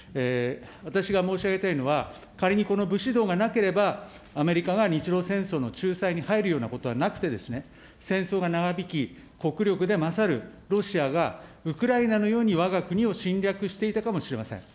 私が申し上げたいのは、仮にこの武士道がなければ、アメリカが日露戦争の仲裁に入るようなことはなくてですね、戦争が長引き、国力でまさるロシアがウクライナのようにわが国を侵略していたかもしれません。